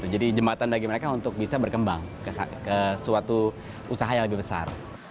jadi jembatan bagi mereka untuk bisa berkembang ke suatu usaha yang lebih besar